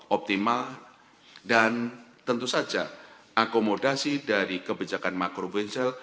optimal dan tentu saja akomodasi dari kebijakan makro bensil